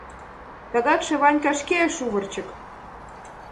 — Тегакше, Ванька шке шувырчык!..